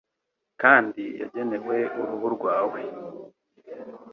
kandi yagenewe uruhu rwawe